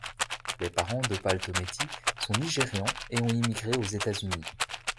Les parents d'Opal Tometi sont nigérians et ont immigré aux États-Unis.